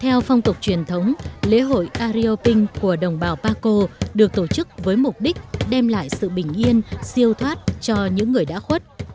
theo phong tục truyền thống lễ hội arioping của đồng bào paco được tổ chức với mục đích đem lại sự bình yên siêu thoát cho những người đã khuất